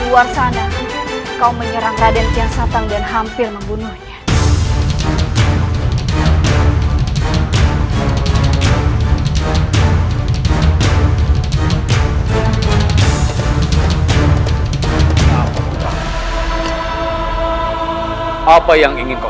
luar sana kau menyerang raden piang satang dan hampir membunuhnya apa yang ingin kau